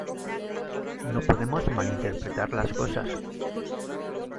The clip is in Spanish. No podemos malinterpretar las cosas.